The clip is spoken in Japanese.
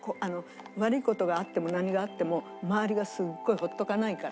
悪い事があっても何があっても周りがすごいほっとかないから。